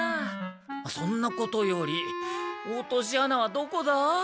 そんなことよりおとし穴はどこだ？